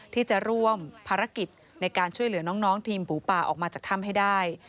ที่จะร่วมภารกิจในการช่วยเหลือน้องทีมหมูป่าออกมาจากถ้ำให้ได้